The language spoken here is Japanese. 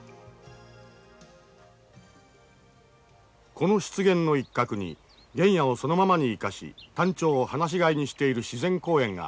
この湿原の一角に原野をそのままに生かしタンチョウを放し飼いにしている自然公園がある。